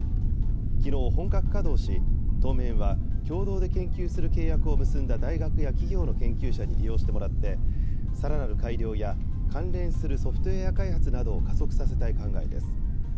きのう、本格稼働し、当面は、共同で研究する契約を結んだ大学や企業の研究者に利用してもらって、さらなる改良や関連するソフトウエア開発などを加速させたい考えです。